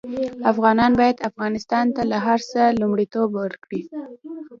افغانان باید افغانستان ته له هر څه لومړيتوب ورکړي